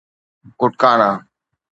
ڪٽڪانا